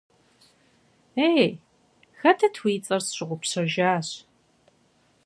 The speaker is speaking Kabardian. Ей, хэтыт уи цӏэр, сщыгъупщэжащ!